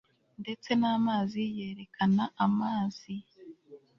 Ndetse namazi yerekana amazi